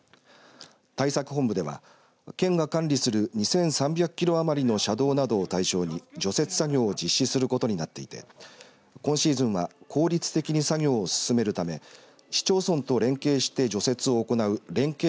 対策本部では、県が管理する２３００キロ余りの車道などを対象に除雪作業を実施することになっていて今シーズンは効率的に作業を進めるため市町村と連携して除雪を行う連携